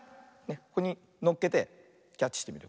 ここにのっけてキャッチしてみる。